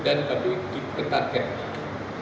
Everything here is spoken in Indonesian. dan tapi diketahkan